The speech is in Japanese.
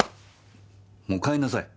もう帰んなさい。